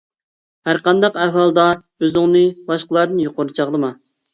ھەرقانداق ئەھۋالدا ئۆزۈڭنى باشقىلاردىن يۇقىرى چاغلىما.